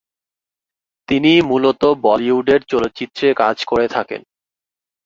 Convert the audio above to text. তিনি মূলত বলিউডের চলচ্চিত্রে কাজ করে থাকেন।